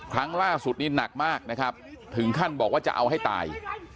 ครั้งล่าสุดนี่หนักมากนะครับถึงขั้นบอกว่าจะเอาให้ตาย